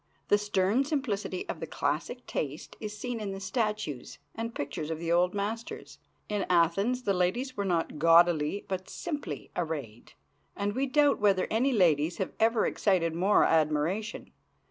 The stern simplicity of the classic taste is seen in the statues and pictures of the old masters. In Athens the ladies were not gaudily, but simply arrayed, and we doubt whether any ladies have ever excited more admiration.